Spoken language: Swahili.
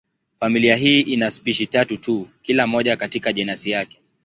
Familia hii ina spishi tatu tu, kila moja katika jenasi yake.